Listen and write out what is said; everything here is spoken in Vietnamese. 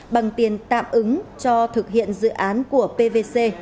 bằng tiền tạm ứng cho thực hiện dự án của pvc